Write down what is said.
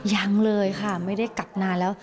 ยังเลยค่ะไม่ได้กลับนานแล้ว